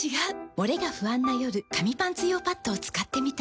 モレが不安な夜紙パンツ用パッドを使ってみた。